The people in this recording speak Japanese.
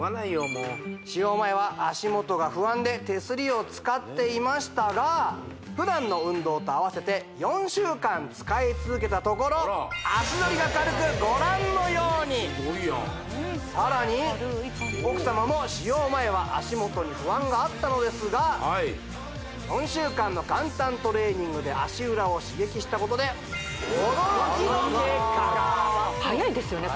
もう使用前は足元が不安で手すりを使っていましたが普段の運動とあわせて４週間使い続けたところ足取りが軽くご覧のようにすごいやんさらに奥様も使用前は足元に不安があったのですがはい４週間の簡単トレーニングで足裏を刺激したことで驚きの結果がはやいですよね